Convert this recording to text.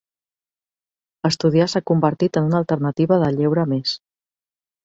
Estudiar s'ha convertit en una alternativa de lleure més.